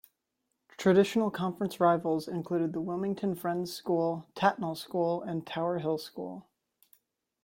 Traditional conference rivals include the Wilmington Friends School, Tatnall School, and Tower Hill School.